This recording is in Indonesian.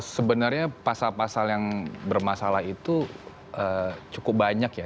sebenarnya pasal pasal yang bermasalah itu cukup banyak ya